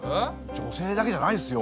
女性だけじゃないですよ。